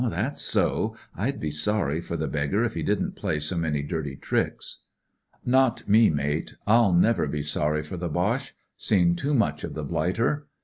" That's so. I'd be sorry for the beggar if he didn't play so many dirty tricks." " Not me, mate. I'll never be sorry for the Boche. Seen too much of the blighter.